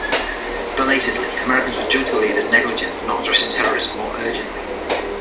Belatedly, Americans would judge their leaders negligent for not addressing terrorism more urgently.